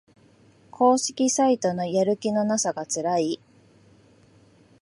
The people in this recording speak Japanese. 公式サイトのやる気のなさがつらい